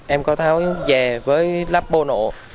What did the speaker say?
em có tháo dè với lắp bô nộ